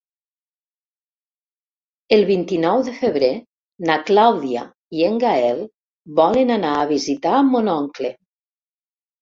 El vint-i-nou de febrer na Clàudia i en Gaël volen anar a visitar mon oncle.